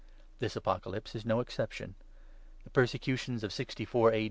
This Apocalypse is no exception. The Persecutions of 64 A.